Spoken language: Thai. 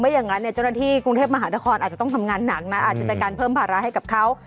อย่างนั้นเนี่ยเจ้าหน้าที่กรุงเทพมหานครอาจจะต้องทำงานหนักนะอาจจะเป็นการเพิ่มภาระให้กับเขา